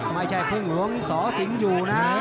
ไม่ใช่พึ่งหลวงสอสิงห์อยู่นะ